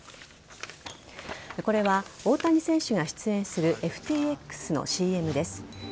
これは大谷選手が出演するＦＴＸのＣＭです。